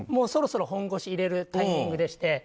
そろそろ本腰を入れるタイミングでして。